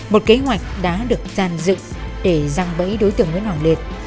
một kế hoạch đã được giàn dựng để răng bẫy đối tượng nguyễn hoàng liệt